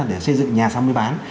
để xây dựng nhà xong mới bán